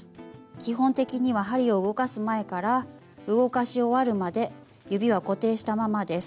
基本的には針を動かす前から動かし終わるまで指は固定したままです。